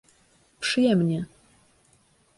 Przyjemnie.